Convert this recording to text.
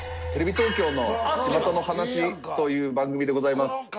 テレビ東京の『巷の噺』という番組でございます。